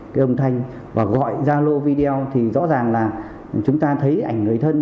cái âm thanh và gọi giao lô video thì rõ ràng là chúng ta thấy ảnh người thân